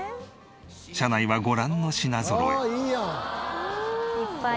車内はご覧の品ぞろえ。